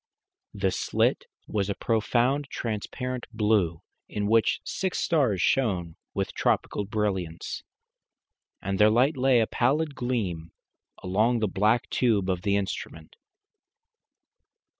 The slit was a profound transparent blue, in which six stars shone with tropical brilliance, and their light lay, a pallid gleam, along the black tube of the instrument.